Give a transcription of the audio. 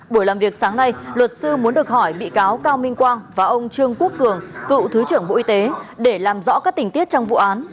buổi làm việc sáng nay luật sư muốn được hỏi bị cáo cao minh quang và ông trương quốc cường cựu thứ trưởng bộ y tế để làm rõ các tình tiết trong vụ án